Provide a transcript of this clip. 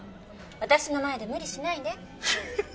私の前で無理しないで。